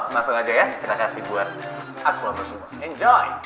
langsung aja ya kita kasih buat semua enjoy